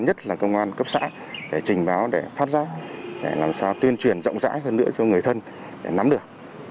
nhất là công an cấp xã để trình báo để phát giác để làm sao tuyên truyền rộng rãi hơn nữa cho người thân để nắm được